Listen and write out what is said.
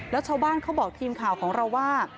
แล้วชาวบ้านเขาบอกทีมข่าวของเราว่า